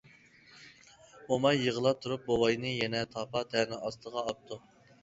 موماي يىغلاپ تۇرۇپ بوۋاينى يەنە تاپا-تەنە ئاستىغا ئاپتۇ.